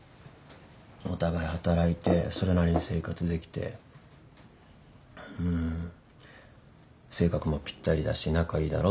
お互い働いてそれなりに生活できてうん性格もぴったりだし仲いいだろ